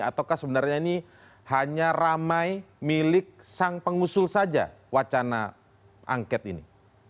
ataukah sebenarnya ini hanya ramai milik sang pengusul saja wacana angket ini